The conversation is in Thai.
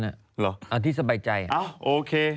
เอาที่สบายใจเอาโอเค